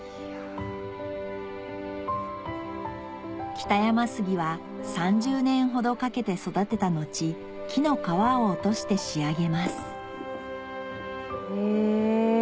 北山杉は３０年ほどかけて育てた後木の皮を落として仕上げますえ。